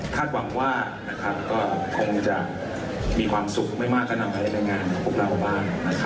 คาดหวังว่าก็คงจะมีความสุขไม่มากกันไว้ในงานของพรุ่งเราบ้างนะค่ะ